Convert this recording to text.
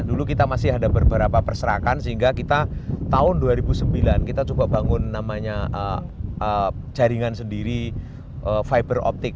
dulu kita masih ada beberapa perserakan sehingga kita tahun dua ribu sembilan kita coba bangun namanya jaringan sendiri fiber optic